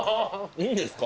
いいんですか？